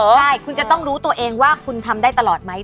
ใช่คุณจะต้องรู้ตัวเองว่าคุณทำได้ตลอดไหม